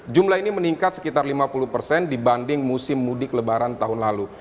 jumlah ini meningkat sekitar lima puluh persen dibanding musim mudik lebaran tahun lalu